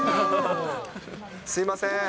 すみません。